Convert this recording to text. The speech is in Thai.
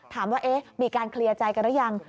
ถามว่ามีการเคลียร์ใจกันหรือยัง